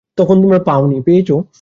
সে তো একজন কৃষ্ণভক্ত।